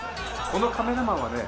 このカメラマンはね